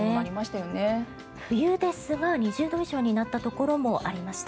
冬ですが２０度以上になったところもありました。